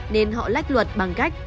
nên họ lách luật bằng cách